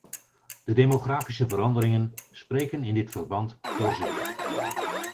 De demografische veranderingen spreken in dit verband voor zich.